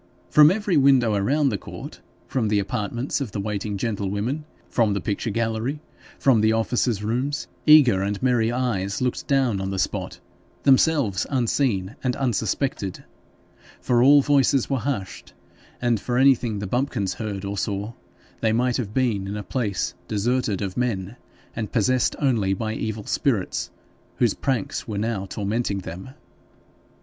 From every window around the court from the apartments of the waiting gentlewomen, from the picture gallery, from the officers' rooms, eager and merry eyes looked down on the spot, themselves unseen and unsuspected, for all voices were hushed, and for anything the bumpkins heard or saw they might have been in a place deserted of men, and possessed only by evil spirits, whose pranks were now tormenting them.